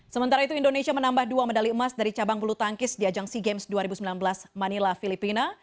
sementara itu indonesia menambah dua medali emas dari cabang bulu tangkis di ajang sea games dua ribu sembilan belas manila filipina